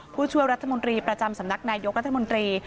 ผู้ช่วยรัฐมนตรีประจำสำนักนายกรัฐมนตรี